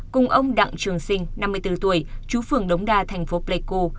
cùng ông đặng trường sinh năm mươi bốn tuổi chú phường đống đa thành phố pleiku